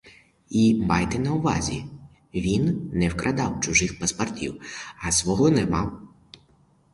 І майте на увазі: він не викрадав чужих паспортів, а свого не мав.